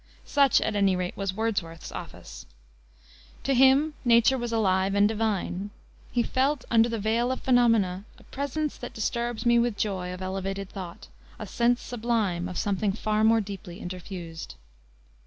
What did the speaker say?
Such, at any rate, was Wordsworth's office. To him Nature was alive and divine. He felt, under the veil of phenomena, "A presence that disturbs me with the joy Of elevated thought: a sense sublime Of something far more deeply interfused."